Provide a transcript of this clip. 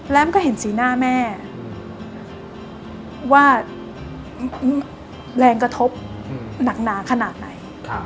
แล้วมันก็เห็นสีหน้าแม่ว่าแรงกระทบหนักหนาขนาดไหน